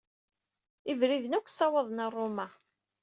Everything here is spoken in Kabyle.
Ibriden akk ssawaḍen ɣer Ṛuma.